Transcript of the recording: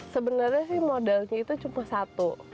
sebenarnya sih modalnya itu cuma satu